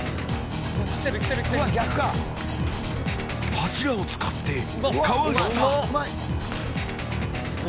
柱を使って、かわした。